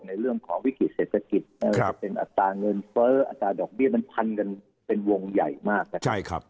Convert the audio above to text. ในเรื่องของวิกฤตเศรษฐกิจไม่ว่าจะเป็นอัตราเงินเฟ้ออัตราดอกเบี้ยมันพันกันเป็นวงใหญ่มากนะครับ